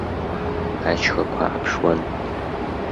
Ашьхақәа ааԥшуан.